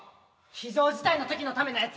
非常事態の時のためのやつやで。